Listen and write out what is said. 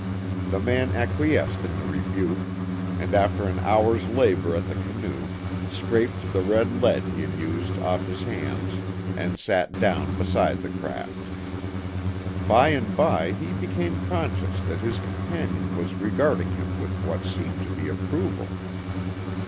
The man acquiesced in the rebuke, and after an hour's labour at the canoe, scraped the red lead he had used off his hands, and sat down beside the craft. By and by he became conscious that his companion was regarding him with what seemed to be approval.